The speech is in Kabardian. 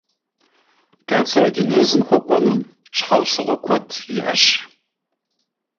Канцерогенезым хуэкӀуэным щхьэусыгъуэ куэд иӀэщ.